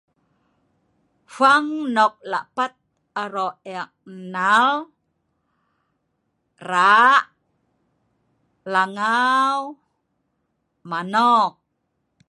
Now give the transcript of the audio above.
Fwang nok lakpat aro ek nnal, rra', Langai, manok